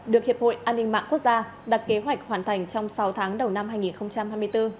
được hiệp hội an ninh mạng quốc gia đặt kế hoạch hoàn thành trong sáu tháng đầu năm hai nghìn hai mươi bốn